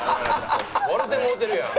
笑うてもうてるやん。